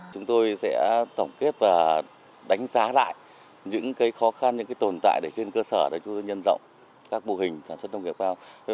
chúng tôi sẽ tổng kết và đánh giá lại những khó khăn những tồn tại trên cơ sở để nhân dọng các mô hình sản xuất nông nghiệp cao